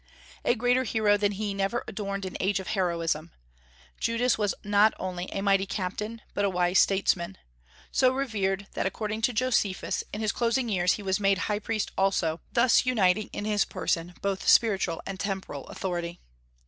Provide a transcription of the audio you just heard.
A greater hero than he never adorned an age of heroism. Judas was not only a mighty captain, but a wise statesman, so revered, that, according to Josephus, in his closing years he was made high priest also, thus uniting in his person both spiritual and temporal authority.